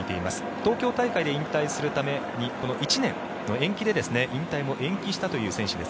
東京大会で引退するためにこの１年の延期で引退も延期したという選手です。